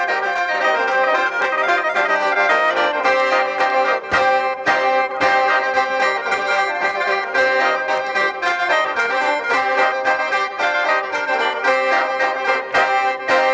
สวัสดีครับ